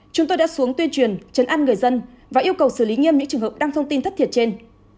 chúng tôi đã xuống tuyên truyền chấn ăn người dân và yêu cầu xử lý nghiêm những trường hợp đăng thông tin thất thiệt trên